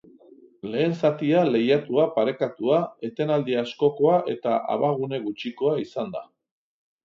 Lehen zatia lehiatua, parekatua, etenaldi askokoa eta abagune gutxikoa izan da.